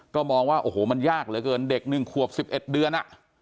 ก็มองว่าโอ้โหมันยากเหลือเกินเด็ก๑ขวบ๑๑เดือน